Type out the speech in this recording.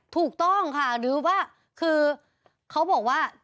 ถูกต้องค่ะหรือว่าคือเขาบอกว่า